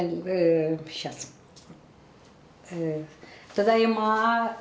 ただいま。